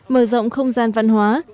mở rộng không gian văn hóa